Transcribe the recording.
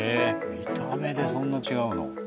見た目でそんな違うの。